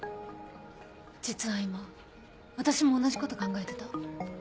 実は今私も同じこと考えてた。